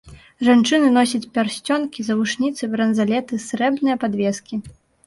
Жанчыны носяць пярсцёнкі, завушніцы, бранзалеты, срэбныя падвескі.